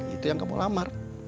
itu yang kamu lamar